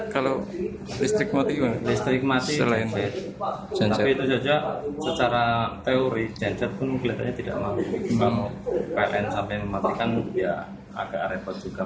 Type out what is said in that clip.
kalau kalian sampai mematikan ya agak repot juga